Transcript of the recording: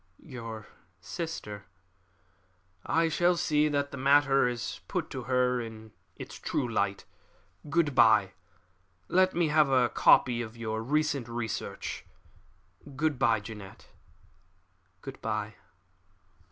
"Your sister " "I shall see that the matter is put to her in its true light. Good bye! Let me have a copy of your recent research. Good bye, Jeannette!" "Good bye!"